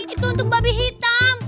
itu untuk babi hitam